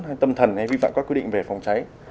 hay tâm thần hay vi phạm các quy định về phòng cháy